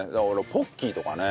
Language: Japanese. ポッキーとかね。